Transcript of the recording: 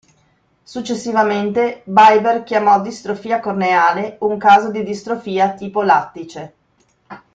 Successivamente Biber chiamò distrofia corneale un caso di distrofia tipo lattice.